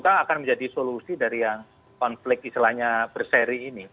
maka akan menjadi solusi dari yang konflik istilahnya berseri ini